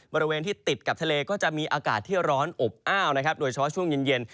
บริเวณที่ติดกับทะเลก็จะมีอากาศที่ร้อนอบอ้าวนะครับโดยเฉพาะช่วงเย็น